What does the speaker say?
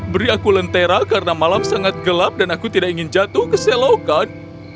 beri aku lentera karena malam sangat gelap dan aku tidak ingin jatuh ke selokan